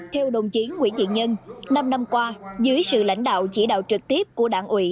theo đồng chí nguyễn thiện nhân năm năm qua dưới sự lãnh đạo chỉ đạo trực tiếp của đảng ủy